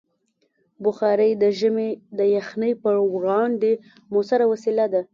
بخاري د ژمي د یخنۍ پر وړاندې مؤثره وسیله ده.